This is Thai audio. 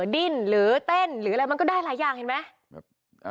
ดิ้นหรือเต้นหรืออะไรมันก็ได้หลายอย่างเห็นไหม